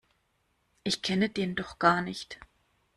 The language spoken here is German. Ich kenne den doch gar nicht!